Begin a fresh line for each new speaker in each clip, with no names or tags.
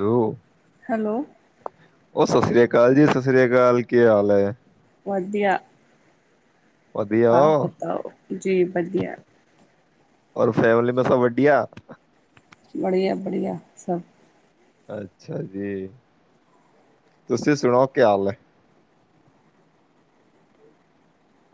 ਹੋ
ਹੈਲੋ
ਸਤਿ ਸ੍ਰੀ ਅਕਾਲ ਜੀ ਸਤਿ ਸ੍ਰੀ ਅਕਾਲ ਕੀ ਹਾਲ ਹੈ
ਵੱਧਆਿਆ
ਵਧੀਆ
ਆਪ
ਹੋ?
ਬਤਾਓ ਜੀ ਵਧੀਆ
ਔਰ ਫੈਮਲੀ ਮੈਂ ਸਭ ਵੱਡਆ
ਬੜੀੀਆਂਆ ਬੜੀੀਆਂ ਸਭ
ਅੱਛਾ ਜੀ ਤੁਸੀਂ ਸੁਣੋ ਕੀ ਹਾਲ ਹੈ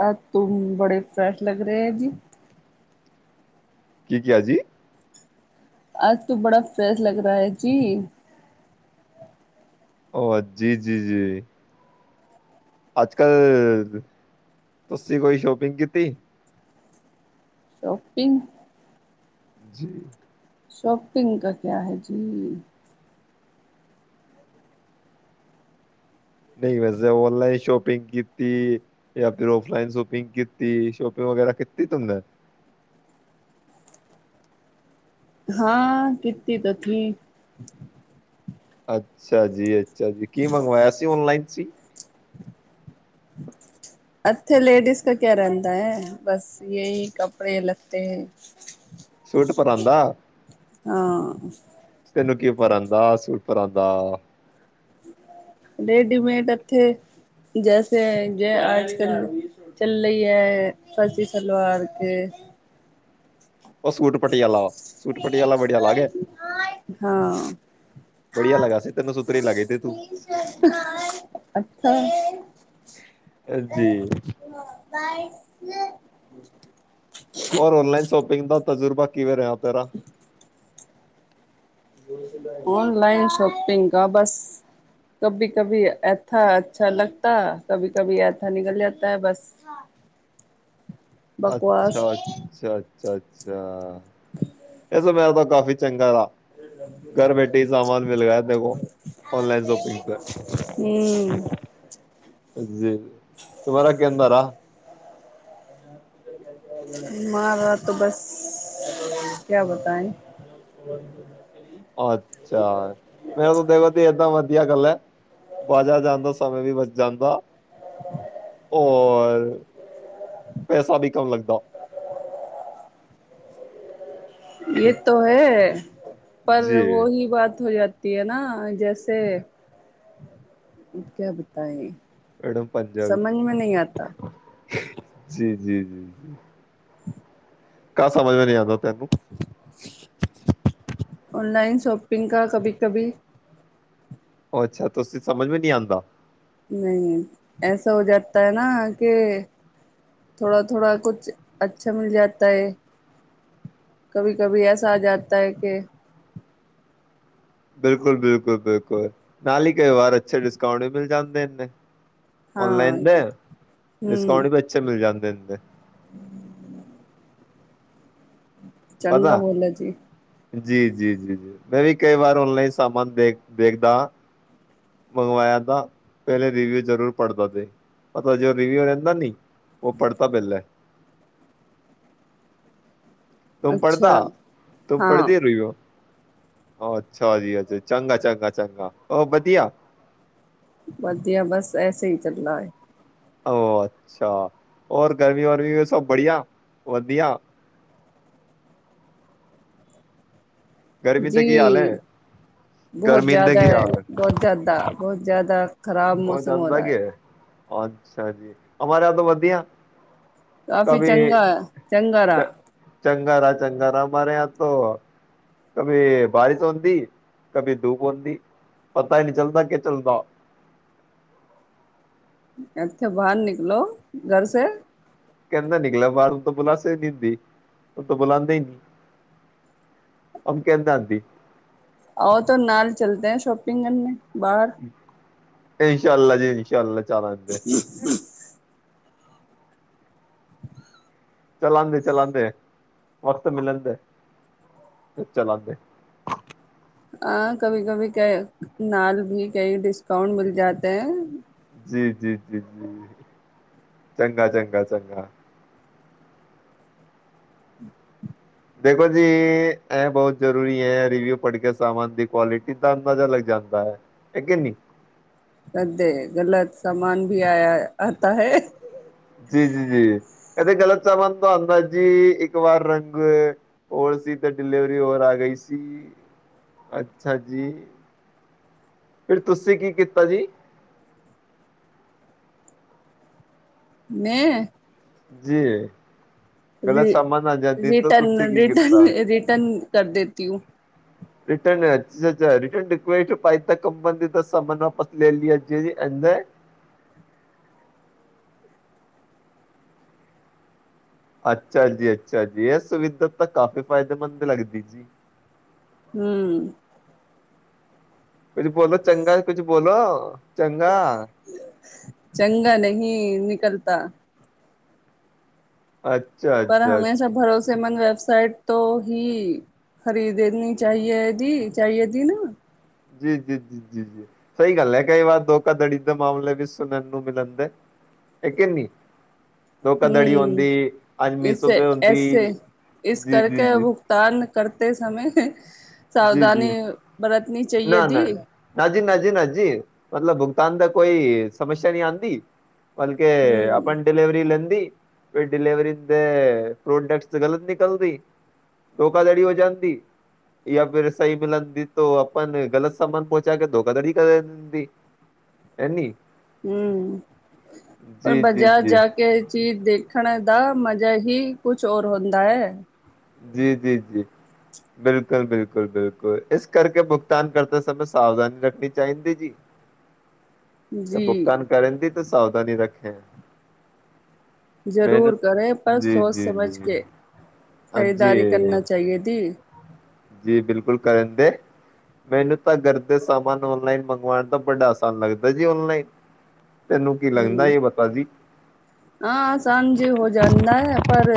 ਆਹ ਤੂੰਮ ਬੜੇ ਫੈਸ਼ ਲੱਗ ਰਹੇ ਹੈ ਜੀ
ਕੀ ਕਿਹਾ ਜੀ
ਅੱਜ ਤੂੰ ਬੜਾ ਫਰਸ਼ ਲਗ ਰਿਹਾ ਹੈ ਜੀ
ਉਹ ਜੀ-ਜੀ-ਜੀ ਅੱਜ ਕੱਲ੍ਹ ਤੁਸੀਂ ਕੋਈ ਸ਼ੋਪਿੰਗ ਕੀਤੀ
ਸ਼ੋਪਿੰਗ
ਜੀ
ਸ਼ੋਪਿੰਗ ਕਾ ਕਿਆ ਹੈ ਜੀ
ਨਹੀਂ ਵੈਸੇ ਔਨਲਾਈਨ ਸ਼ੋਪਿੰਗ ਕੀਤੀ ਜਾਂ ਫਿਰ ਫਲਾਈਨ ਸ਼ੋਪਿੰਗ ਕੀਤੀ ਸ਼ੋਪਿੰਗ ਵਗੈਰਾ ਕੀਤੀ ਤਨ
ਹਾਂ ਕਿ ਕੀਤੀ ਤਾਂਥੀ
ਅੱਛਾ ਜੀ ਅਾ ਜੀ ਕੀ ਮੰਗਵਾਇਆ ਸੀ ਔਨਲਾਈਨ ਜੀ
ਅੱਥੇ ਲੇਡੀਜ਼ ਕ ਕਿਆ ਰਹਿੰਦਾ ਹੈ ਬਸ ਯਹੀ ਕੱਪੜੇ ਲੱਤੇ
ਸੂਟ ਪਰਾਦਾਾ
ਹਾਂ
ਤੈਨੂੰ ਕੀ ਪਰਾਂਦਾ ਦਾ ਸੂਪਰਾਂਦਾ
ਰੇਡੀਮੇਡ ਇੱਥੇ ਜੈਸੇ ਜੇ ਆਜ ਕਲ ਚੱਲ ਰਹੀ ਹੈ ਫਰਜ਼ੀ ਸਲਵਾਰ ਕੇ
ਉਹ ਸੂਟ ਪਟਿਆਲਾ, ਸੂਟ ਪਟਿਆਲਾ ਬੜੀਆ ਲਾਗੇ
ਹਾਂ
ਜੀ
ਅਛਾ [inaudible]
ਔਰ ਔਨਲਾਈਨ ਸ਼ੋਪਿੰਗ ਦਾ ਤਜੁਰਬਾ ਕਿਵੇਂ ਰਿਹਾ ਆਪ ਤੇਰ੍ਹਾਂ
ਔਨਲਾਈਨ ਸ਼ੋਪਿੰਗ ਕਾ ਬਸ ਕਭੀ ਕਭੀ ਐਥਾ ਅੱਛਾ ਲਗਤਾ ਕਭੀ ਕਭੀ ਐਥਾ ਨਿਕਲ ਜਾਤਾ ਹੈ ਬਸ
ਅੱਛਾ ਅੱਛਾ ਅੱਛਾ ਅ ਅੱਛਾ ਇਹ ਸਮੇ ਤਾਂ ਕਾਫ਼ੀ ਚੰਗਾ ਤਾ ਘਰ ਬੈਠੇ ਹੀ ਸਾਮਾਨ ਮਿਲ ਗਿਆ ਦੇਖੋ ਔਨਲਾਈਨ ਸ਼ੋਪਿੰਗ ਪਰ ਜੀ ਤੁਮਾਰਾ ਕਿਦਾ ਰਹਾ
ਮਾਰਾ ਤੋਂ ਬਸ ਕਿਆ ਬਤਾਏ
ਅੱਛਾ ਮੈਂ ਉੋਂਨੂੰ ਦੇਖੋ ਭੇਜ ਤਾ ਵਧੀਆ ਗੱਲ ਹੈ ਬਾਜਾਰ ਜਾਂਦਾ ਸਮੇਂ ਵੀ ਬਚ ਜਾਂਦਾ ਹੋਰ ਪੈਸਾ ਵੀ ਕੰਮ ਲੱਗਦਾ
ਯੇਹ ਤੋ ਹੈ ਪਰ ਵੋਹੀ ਬਾਤ ਹੋ ਜਾਤੀ ਕਿ ਨਾ ਜੈਸੇ ਕਿਆ ਬਤਾਏ ਸਮਝ ਮੇ ਨਹੀਂ ਆਤਾ
ਜੀ ਜੀ
[unintelligible]
ਕਾ ਸਮਝ ਮੈ ਨਹੀ ਆਂਦਾ ਤੈਨੂੰ
ਔਨਲਾਈਨ ਸ਼ੋਪਿੰਗ ਕਾ ਕਭੀ ਕਭੀ
ਉਹ ਅੱਛਾ ਤੁਸੀਂ ਸਮਝ ਵੀ ਨਹੀਂ ਆਉਂਦਾ
ਨਹੀਂ ਐਸਾ ਹੋ ਜਾਤਾ ਹੈ ਨਾ ਕਿ ਥੋੜਾ ਥੋੜਾ ਕੁਛ ਅੱਛਾ ਮਿਲ ਜਾਤਾ ਹੈ ਕਭੀ ਕਭੀ ਐਸਾ ਆ ਜਾਤਾ ਹੈ ਕੇ
ਬਿਲਕੁਲ ਬਿਲਕੁਲ ਬਿਲਕੁਲ ਨਾਲ ਹੀ ਕਈ ਵਾਰ ਅੱਛੇ ਡਿਸਕਾਊਂਟ ਵੀ ਮਿਲ ਜਾਂਦੇ ਇਨੇਂ ਔਨਲਾਈਨ ਦੇ ਡਿਸਕਾਊਂਟ ਵੀ ਅੱਛੇ ਮਿਲ ਜਾਂਦੇ ਨ [unintelligible]
ਚੰਗਾ
ਪਤਾ
ਬੋਲੋ ਜੀ
ਜੀ ਜੀ ਜੀ ਜੀ ਮੈਂ ਵੀ ਕਈ ਵਾਰ ਓਨਲਾਈਨ ਸਾਮਾਨ ਦੇਖ ਦੇਖਦਾ ਹਾਂ ਮੰਗਵਾਇਆ ਤ ਪਹਿਲੇ ਰਿਵਿਊ ਜ਼ਰੂਰ ਪੜ੍ਹਦਾ ਤੇ ਪਤਾ ਜੋ ਰਿਵਿਊ ਰਹਿੰਦਾ ਨੀ ਉਹ ਪੜ੍ਹਤਾ ਪਹਿਲੇ ਤੁਮ ਪੜ੍ਹਦਾ ਤੁਮ ਪੜ੍ਹਦੀ ਰਿਵਿਉ ਅੱਛਾ ਜੀ ਅਜੇ ਚੰਗਾ ਚੰਗਾ ਚੰਗਾ ਉਹ ਵਧੀਆ
ਵਧੀਆ ਬਸ ਐਸੇ ਹੀ ਚੱਲਦਾ ਹੈ
ਅੱਛਾ ਹੋਰ ਗਰਮੀ ਵਰਮੀ ਵੀ ਸਭ ਬੜੀਆ ਵਧੀਆ ਗਰਮੀ ਦਾ ਕੀ ਹਾਲ
ਜੀ
ਹੈ
ਬਹੁਤ ਜ਼ਿਆਦਾ ਹੈ ਬਹੁਤ ਜ਼ਿਆਦਾ ਬਹੁਤ ਜ਼ਿਆਦਾ ਖ਼ਰਾਬ ਮੌਸਮ ਹੋ ਰਹਾ ਹੈ
ਅੱਛਾ ਜੀ ਹਮਾਰੇ ਯਹਾ ਤੋਂ ਵਧੀਆ
ਕਾਫ਼ੀ ਚੰਗਾ ਚੰਗਾ ਰਹਾ
ਚੰਗਾ ਰਹਾ ਚੰਗਾ ਰਹਾ ਹਮਾਰੇ ਯਹਾ ਤੋਂ ਕਭੀ ਬਾਰਿਸ਼ ਹੋਤੀ ਕਭੀ ਧੂਪ ਹੋਤੀ ਪਤਾ ਹੀ ਨਹੀਂ ਚਲਦਾ ਕਿ ਚੱਲਦਾ
ਇੱਥੇ ਬਾਹਰ ਨਿਕਲੋ ਘਰ ਸੇ
ਕਹਿੰਦਾ ਨਿਕਲਿਆ ਬਾਹਰ ਓਹ ਤਾਂ ਬੁਲਾਸੇ ਈ ਨੀਦੀ ਓਹ ਤਾਂ ਬੁਲਾਉਂਦੀ ਹੀ ਨੀ ਹਮ ਕਿੰਦ ਆਤੀ
ਆਓ ਤਾਂ ਨਾਲ ਚਲਦੇ ਹੈ ਸ਼ੋਪਿੰਗ ਕਰਨੇ ਬਾਹਰ
ਇਨਸ਼ਾਾਲਲਾ ਜੀ ਇਨਸ਼ਾਾਲਲਾ ਜੀ [unintelligible] ਚਲਾਾਂਦੇ ਚਲਾਾਂਦੇ ਵਕਤ ਮਿਲਣ ਦੇ ਚਲਾਦੇ
ਹਾਂ ਕਭੀ-ਕਭੀ ਕ ਨਾਲ ਵੀ ਕਈ ਡਿਸਕਾਊਂਟ ਮਿਲ ਜਾਤੇ ਹੈ
ਜੀ ਜੀ ਜੀ ਜੀ ਚੰਗਾ ਚੰਗਾ ਚੰਗਾ ਦੇਖੋ ਜੀ ਇਹ ਬਹੁਤ ਜ਼ਰੂਰੀ ਹੈ ਰਿਵਿਊ ਪੜ੍ਹ ਕੇ ਸਾਮਾਨ ਦੀ ਕੁਆਲਿਟੀ ਦਾ ਅੰਦਾਜ਼ਾ ਲੱਗ ਜਾਂਦਾ ਹੈ ਕਿ ਨਹੀਂ
ਕਰਦੇ ਗਲਤ ਸਾਮਾਨ ਵੀ ਆਇ ਆਤਾ ਹੈ
ਜੀ-ਜੀ-ਜੀ ਕਹਿੰਦੇ ਗਲਤ ਸਮਾਨ ਤੁਦਾ ਜੀ ਇੱਕ ਵਾਰ ਰੰਗ ਹੋਰ ਸੀ ਤੇ ਡਲੀਵਰੀ ਹੋਰ ਆ ਗਈ ਸੀ ਅੱਛਾ ਜੀ ਫ ਤੁਸੀਂ ਕੀ ਕੀਤਾ ਜੀ
ਮੈਂ
ਜੀ ਗਲਤ ਸਾਮਾਨ ਆ ਜਾਂਦੀ ਤਾਂ ਤੁਸੀਂ
ਰਿਟਨ
ਕੀ
ਰਿਟਨ
ਕੀਤਾ
ਰਿਟਨ ਕਰ ਦੇਤੀ ਹ
ਰਿਟਨ ਅ ਅਛਾ ਰਿਟਨ ਰਿਕਵੇਸਟ ਪ ਤਾਂ ਕੰਪਨੀ ਤਾਂ ਸਾਨ ਵਾਪਸ ਲੈ ਲਈ ਹੈ ਜ ਅ [unintelligible] ਅੱਛਾ ਜੀ ਅੱਛਾ ਜੀ ਇਹ ਸੁਵਿਧਾ ਤਾਂ ਕਾਫ਼ੀ ਫਾਇਦੇਮੰਦ ਲੱਗਦੀ ਜੀ
ਹਮ
ਕੁਛ ਬੋਲੋ ਚੰਗਾ ਕੁਛ ਬੋਲੋ
ਚੰਗਾ ਨਹੀਂ ਨਿਕਲ ਤਾਂ
ਅੱਛਾ ਅੱਛਾ ਅੱਛਾ
ਸਮਨ ਵੈਬਸਾਈਟ ਤੋਂ ਹੀ ਖਰੀਦਣੀ ਚਾਹੀਏ ਜੀ ਚਾਹੀਏ ਜੀ ਨਾ
ਜੀ-ਜੀ ਜੀ-ਜੀ ਜੀ ਸਹੀ ਗੱਲ ਹੈ ਕਈ ਵਾਰ ਧੋਖਾਧੜੀ ਦੇ ਮਾਮਲੇ ਵੀ ਸੁਣਨ ਨੂੰ ਮਿਲਣ ਦੇ ਕਿਨੀ
ਹਮ
ਮੀਸੋ
ਇਸੇ
ਤੇ ਹੁੰਦੀ
ਇਸੇ ਇਸ
ਜੀ
ਕਰਕੇ
ਜੀ ਜੀ
ਭੁਗਤਾਨ ਕਰਤੇ ਸਮੇਂ
ਜੀ ਜੀ
ਸਾਵਧਾਨੀ ਬ
ਨਾ ਨਾ ਨਾਜੀ ਨਾਜੀ ਜੀ ਨਾ ਜੀ ਮਤਲਬ ਭੁਗਤਾਨ ਦਾ ਕੋਈ ਸਮੱਸਿਆ ਨਹੀਂੀ ਆਉਂਦੀ ਬਲਕੇ ਆਪਾਂ ਡਿਲੀਵਰੀ ਲੈਂਦੀ ਫ ਡਿਲੀਵਰੀ ਦੇ ਪ੍ਰੋਡਕਟ ਗਲਤ ਨਿਕਲਦੀ ਧੋਖਾਧੜੀ ਹੋ ਜਾਂਦੀ ਜਾਂ ਫਿਰ ਸਹੀ ਮਿਲਣਦੀ ਆਪਾਂ ਨੇ ਗ਼ਲਤ ਸਮਾਨ ਪਹੁੰਚਾ ਕੇ ਧੋਖਾਧੜੀ ਕਰ ਦਿੰਦੀ ਹੈਨੀ
ਹਮ ਹ ਬਾਜ਼ਾਰ ਜਾ ਕੇ ਇਹ ਚੀਜ਼ ਦੇਖਣ ਦਾ ਮਜ਼ਾ ਹੀ ਕੁਛ ਹੋਰ ਹੁੰਦਾ ਹੈ
ਜੀ ਜੀ ਜੀ ਬਿਲਕੁਲ ਬਿਲਕੁਲ ਬਿਲਕੁਲ ਇਸ ਕਰਕੇ ਭੁਗਤਾਨ ਕਰਦੇ ਸਮੇਂ ਸਾਵਧਾਨੀ ਰੱਖਣੀ ਚਾਹੀਦੀ ਜੀ ਤੇ ਭੁਗਤਾਨ ਕਰਨ ਦੀ ਤਾਂ ਸਾਵਧਾਨੀ ਰੱਖੇ
ਜ਼ਰੂਰ ਕਰੇ ਪਰ ਸੋਚ ਸਮਝ ਕੇ ਖ਼ਰੀਦਾਰੀ ਕਰਨਾ ਚਾਹੀਏ ਥੀ
ਜੀ। ਬਿਲਕੁਲ ਕਰਨ ਦੇ ਮੈਨੂੰ ਤਾਂ ਗਰ ਦੇ ਸਾਨ ਓਨਲਾਈਨ ਮੰਗਵਾਉਣ ਦਾ ਬੜਾ ਆਸਾਨ ਲੱਗਦਾ ਜੀ ਓਨਲਾਈਨ
ਹੂ ਹਾਂ ਅਸਾਨ ਹੋ ਜਾਂਦਾ ਹੈ ਪਰ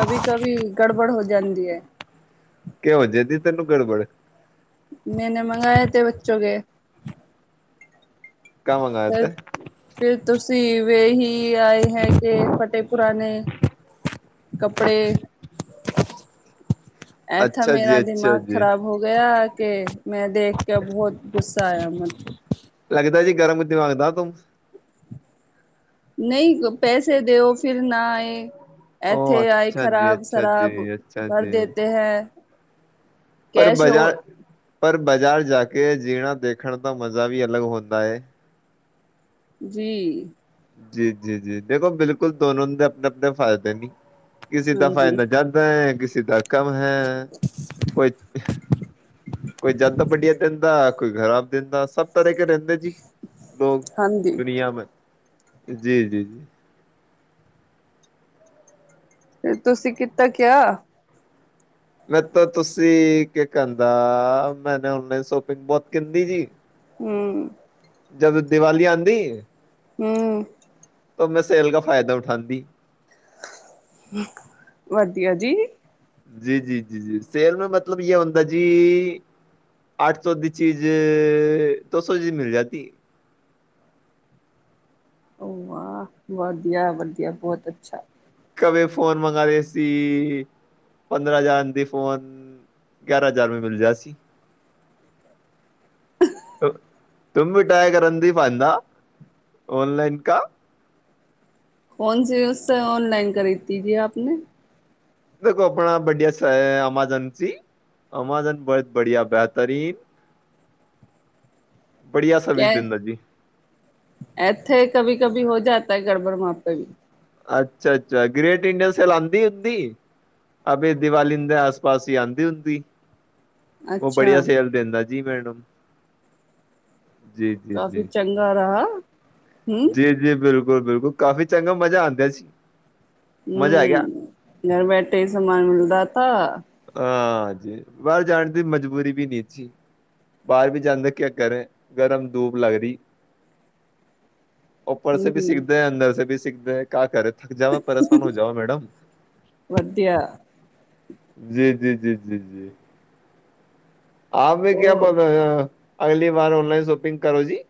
ਕਭੀ ਕਭੀ ਗੜਬੜ ਹੋ ਜਾਂਦੀ ਐ।
ਕਿਹਉਂ ਜੇਦੀ ਤਨ ਨੂੰ ਗੜਬੜ
ਮੈਂਨੇ ਮੰਗਏ ਤੇੇ ਬੱਚੋ ਕੇ
ਕ ਮੰਗਾਏ ਥੇ
[unintelligible] ਕੀ ਆਏ ਹੈ। ਕਿ ਫਟੇ ਪੁਰਾਣੇ ਕੱਪੜੇ ਐਥਾ
ਅੱਛਾ
ਮੇਰਾ
ਜੀ ਅੱਛਾ
ਦਿਮਾਗ
ਜੀ
ਖ਼ਰਾਬ ਹੋ ਗਿਆ। ਕਿ ਮੈਂ ਦੇਖ ਕੇ ਬਹੁਤ ਗੁੱਸਾ ਆਇਆ ਮੈਂਥੋਂ।
ਲੱਗਦਾ ਜੀ ਗਰਮ ਦਿਮਾਗ ਦਾ ਤੂੰ
ਨਹੀਂ ਪੈਸੇ ਦਿਓ, ਫਿਰ ਨਾ ਆਏ। ਇੱਥੇ ਆਏ ਖ਼ਰਾਬ ਸ਼ਰਾਬ
ਅੱਛਾ
ਭਰ
ਜੀ
ਦੇਤੇ ਹੈ।
ਪਰ ਬਜ਼ਾਰ ਪਰ ਬਾਜ਼ਾਰ ਜਾ ਕੇ ਜੀਣਾ ਦੇਖਣ ਦਾ ਮਜ਼ਾ ਵੀ ਅਲੱਗ ਹੁੰਦਾ ਐ।
ਜੀ।
ਜੀ ਜੀ ਜੀ ਦੇਖੋ ਬਿਲਕੁਲ ਦੋਨੋ ਦੇ ਆਪਣੇ ਆਪਣੇ ਫ਼ਾਇਦੇ ਨੀ ਕਿਸੇ ਦਾ
ਹਾਂਜੀ
ਫਾਇਦਾ ਜਾਂਦਾ ਐ। [unintelligible] ਹੈ ਕੋਈ ਕੋਈ ਜਦ ਵਡਿਆ ਦਿੰਦਾ ਕੋਈ ਖਰਾਬ ਦਿੰਦਾ ਸਭ ਤਰ੍ਹਾਂ ਕੇ ਰਹਿੰਦੇ ਜੀ। ਲੋਕ
ਹਾਂਜੀ
ਦੁਨੀਆਂ ਮੈਂ ਜੀ ਜੀ ਜੀ।
ਤੇ ਤੁਸੀਂ ਕੀਤਾ ਕਿਆ।
ਮੇ ਤਾਂ ਤੁਸੀਂ ਕਿ ਕਹਿੰਦਾ ਮੈਨ ਓਨਲਾਈਨ ਸ਼ੋਪਿੰਗ ਬਹੁਤ ਕਹਿੰਦੀ ਜੀ।
ਹੂ
ਜਬ ਦੀਵਾਲੀ ਆਉਂਦੀ
ਹੂ
ਤਾਂ ਮੈਂ ਸੇਲ ਕ ਫ਼ਾਇਦਾ ਉਠਾਉਦੀ
ਵਧੀਆ ਜੀ।
ਜੀ ਜੀ ਜੀ ਜੀ ਸੇਲ ਮੈਂ ਮਤਲਬ ਯ ਹੁੰਦਾ ਜੀ ਅੱਠ ਸੌ ਦੀ ਚੀਜ਼ ਦੋ ਸੌ ਚੀਜ਼ ਮਿਲ ਜਾਤੀ
ਆਹ ਵਧੀਆ ਵਧੀਆ ਬਹੁਤ ਅੱਛਾ।
ਕਵੇ ਫੋਨ ਮੰਗਵਾਦੇ ਸੀ ਪੰਦਰਾਂ ਹਜ਼ਾਰ ਦੇ ਫੋਨ ਗਿਆਰਾਂ ਹਜ਼ਾਰ ਮ ਮਿਲ ਜਾ ਸੀ। ਤੁਮ ਵੀ ਟਏ ਕਰਨਦੀ ਫਾਂਦਾ ਔਨਲਾਈਨ ਕਾ
ਕੌਣ ਸੀ ਉਸ ਔਨਲਾਈਨ ਖ਼ਰੀਦਦੀ ਜੀ ਆਪ ਨੇ
ਦੇਖੋ ਆਪਣਾ ਬੜੀਆ ਸ ਅਮਾਜ਼ੋਨ ਚ ਅਮਾਜ਼ੋਨ ਬਹੁਤ ਬੜੀਆ ਬੇਹਤਰੀਨ
ਕ ਇਥੇ ਕਭੀ ਕਭੀ ਹੋ ਜਾਤਾ ਗੜਬੜ ਮਾ
ਅੱਛਾ ਅੱਛਾ ਗ੍ਰੇਟ ਇੰਡੀਨ ਸ ਲ ਆਉਂਦੀ ਹੁੰਦੀ ਅ ਦੀਵਾਲੀ ਦੇ ਆਸ ਪਾਸ ਹੀ ਆਉਂਦੀ ਹੁੰਦੀ। ਉਹ ਬੜੀਆ ਸੇਲ ਦਿੰਦਾ। ਜੀ ਵੈਡ
ਕਾਫੀ ਚੰਗਾ ਰਹ
ਜੀ ਜੀ। ਬਿਲਕੁਲ ਬਿਲਕੁਲ ਕਾਫ਼ੀ ਚੰਗਾ ਮਜ਼ਾ ਆਉਂਦਾ ਸੀ। ਮਜ਼ਾ ਆ ਗਿਆ
ਹਮ ਘਰ ਬੈਠੇ ਹੀ ਸਮਾਨ ਮਿਲਦਾ ਤਾ
ਹਾਂਜੀ ਬਾਹਰ ਜਾਣ ਦੀ ਮਜਬੂਰੀ ਵੀ ਨੀ ਸੀ ਬਾਹਰ ਵੀ ਜਾਂਦੇ ਕਿਆ ਕਰੇ ਗਰਮ ਧੂਪ ਲੱਗ ਰਹੀ। ਉੱਪਰ ਸ ਵੀ ਸਿੱਖਦੇ ਅੰਦਰ ਵੀ ਸਿੱਖ [unintelligible] ਥਕ ਜਾਵਾ ਪਰੇਸ਼ਾਨ ਹੋ ਜਾਵਾ ਮੈਡਮ। ਜੀ ਜੀ ਜੀ ਜੀ ਜੀ। ਆਪ ਮ ਕਿਆ ਪਤਾ ਯਾਰ ਅਗਲੀ ਵਾਰ ਔਨਲਾਈਨ ਸ਼ੋਪਿੰਗ ਕਰੋ ਜੀ।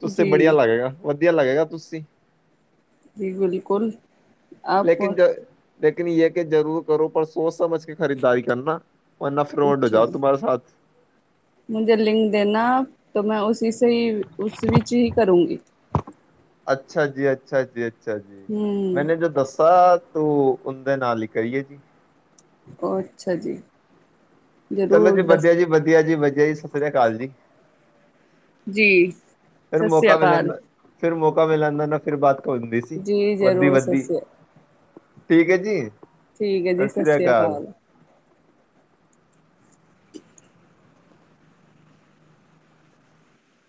ਤੁ ਸੀ ਵਧੀਆ ਲੱਗੇਗਾ ਵ ਵਧੀਆ ਲੱਗੇਗਾ ਤੁਸੀਂ
ਜ ਬਿਲਕੁਲ
ਲੇਕਿਨ ਜਾ ਲਕਿਨ ਯ ਕਿ ਜ਼ਰੂਰ ਕਰੋ ਪਰ ਸੋਚ ਸਮਝ ਕੇ ਖਰੀਚਾਈ ਕਰਨਾ। ਵਰਨਾ ਫਰੋਡ ਹੋ ਜਾਓ ਤੁਮਾਰੇ ਸਾਥ।
ਮੁਝੇ ਲਿੰਕ ਦੇਣਾ ਮੈਂ ਉਸਿ ਸੇ ਹੀ ਉਸ ਵਿੱਚ ਹੀ ਕਰੂੰਗੀ।
ਅੱਛਾ ਜੀ ਅੱਛਾ ਜੀ। ਅੱਛਾ ਜੀ ਮੈਨੇ ਜੋ ਦੱਸਾ ਤੋ ਬਂਦੇ ਨਾਲ ਹੀ ਕਰੀਏ ਜੀ।
ਉਹ ਅੱਛਾ ਜੀ।
ਚਲੋ
ਜ਼ਰੂਰ
ਜੀ
ਦੱਸ
ਵਧੀਆ ਜੀ ਵਧੀਆ ਜੀ ਵਧ ਜੈ [unintelligible] ਕਾਲ ਜੀ
ਜੀ
ਫਿਰ
ਸਤਿ ਸ੍ਰੀ
ਮੌਕਾ ਮਿਲਣ
ਕਾਲ
ਦਾ ਫਿਰ ਮੌਕਾ ਮਿਲ ਜਾਂਦਾ ਨਾ ਫਿਰ ਬਾਤ ਹੁੰਦੀ ਸੀ
ਜੀ
ਵੱਧੀ
ਜ਼ਰੂਰ
ਵੱਧੀ
ਸਤਿ
ਠੀਕ ਹੈ ਜੀ।
ਠੀਕ ਹੈ ਜੀ
ਸਤਿ ਸ੍ਰੀ
ਸਸਰਿਆ
ਅਕਾਲ
ਕਾਲ